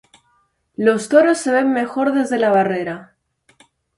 Los toros se ven mejor desde la barrera